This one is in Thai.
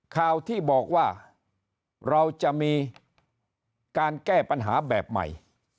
ข่าวที่บอกว่าเราจะมีการแก้ปัญหาแบบใหม่